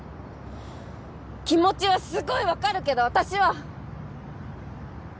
気持ちはすごいわかるけど私は。